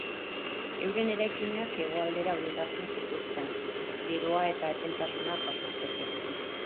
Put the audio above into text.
Euren eraikinak hegoaldera orientatzen zituzten beroa eta epeltasuna jasotzeko.